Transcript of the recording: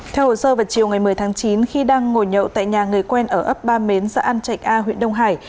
theo hồ sơ vào chiều ngày một mươi tháng chín khi đang ngồi nhậu tại nhà người quen ở ấp ba mến giã an trạch a huyện đông hải